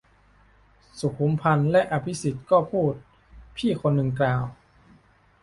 สุขุมพันธุ์และอภิสิทธิ์ ก็พูด - พี่คนหนึ่งกล่าว